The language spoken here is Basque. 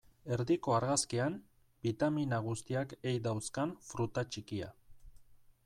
Erdiko argazkian, bitamina guztiak ei dauzkan fruta txikia.